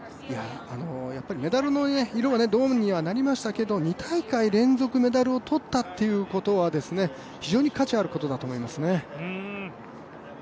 メダルの色は銅にはなりましたけれども２大会連続メダルを取ったということは非常に価値あることだと思いますね。